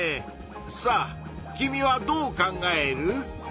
さあ君はどう考える？